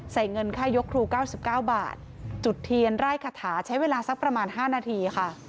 ใส่เงินค่ายกครูเก้าสิบเก้าบาทจุดเทียนร่ายคาถาใช้เวลาสักประมาณห้านาทีค่ะ